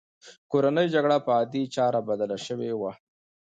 کورنۍ جګړه پر عادي چاره بدله شوې وه.